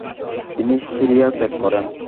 তিনি সিরিয়া ত্যাগ করেন।